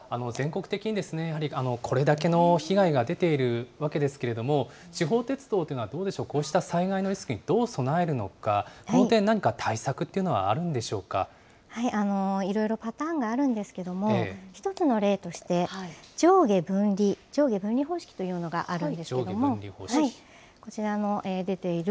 全国的にこれだけの被害が出ているわけですけれども、地方鉄道というのはどうでしょう、こういったときにリスクにどう備えるのか、何か対策などはあるのでしあるんですけれども、１つの例として、上下分離、上下分離方式というのがあるんですけれど上下分離方式。